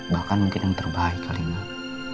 bahkan mungkin yang terbaik kali mbak